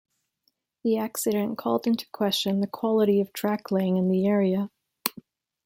The accident called into question the quality of track laying in the area.